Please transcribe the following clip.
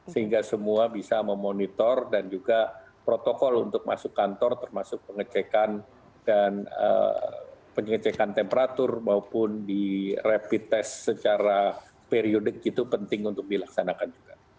sehingga semua bisa memonitor dan juga protokol untuk masuk kantor termasuk pengecekan dan pengecekan temperatur maupun di rapid test secara periodik itu penting untuk dilaksanakan juga